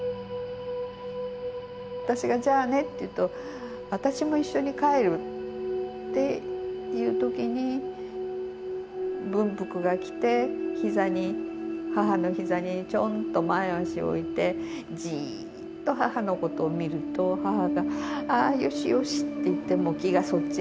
私が「じゃあね」って言うと「私も一緒に帰る」って言う時に文福が来て母の膝にちょんと前足を置いてじっと母のことを見ると母が「あよしよし」って言ってもう気がそっちへ行っちゃって。